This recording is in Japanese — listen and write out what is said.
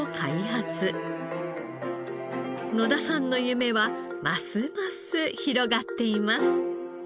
野田さんの夢はますます広がっています。